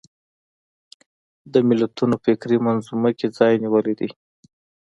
د ملتونو فکري منظومه کې ځای نیولی دی